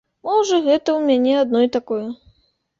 Можа, гэта ў мяне адной такое.